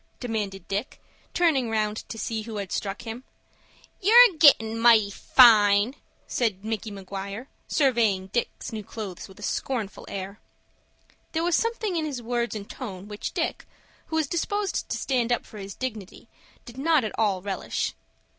demanded Dick, turning round to see who had struck him. "You're gettin' mighty fine!" said Micky Maguire, surveying Dick's new clothes with a scornful air. There was something in his words and tone, which Dick, who was disposed to stand up for his dignity, did not at all relish.